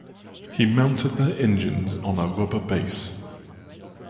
He mounted their engines on a rubber base.